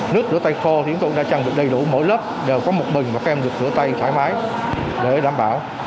nước rửa tay khô thì chúng tôi cũng đã trang bị đầy đủ mỗi lớp đều có một bình và các em được rửa tay thoải mái để đảm bảo